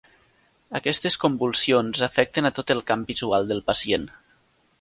Aquestes convulsions afecten a tot el camp visual del pacient.